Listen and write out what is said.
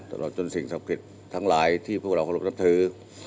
ตลอดจนสิ่งสับกิจทั้งหลายที่พวกเราเคารพนับถือ